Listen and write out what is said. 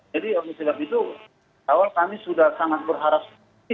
jadi oleh sebab itu awal kami sudah sangat berharap